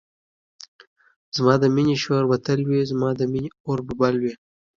زما د مینی شور به تل وی زما د مینی اور به بل وی